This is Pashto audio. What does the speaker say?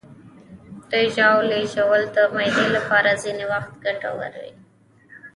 د ژاولې ژوول د معدې لپاره ځینې وخت ګټور وي.